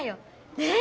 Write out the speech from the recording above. ねえ！